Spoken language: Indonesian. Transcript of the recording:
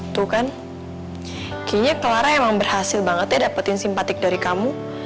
tuh kan kayaknya clara emang berhasil banget ya dapetin simpatik dari kamu